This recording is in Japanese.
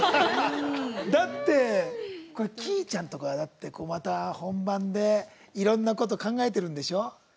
だって、Ｋｉｉちゃんとかまた、本番でいろんなこと考えてるんでしょ？